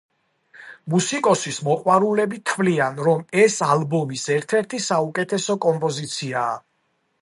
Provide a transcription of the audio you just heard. მუსიკოსის მოყვარულები თვლიან, რომ ეს ალბომის ერთ-ერთი საუკეთესო კომპოზიციაა.